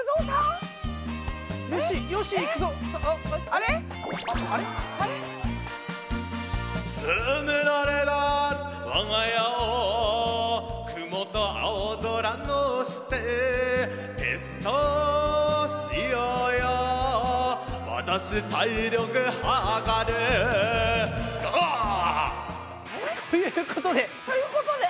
あれ？ということで。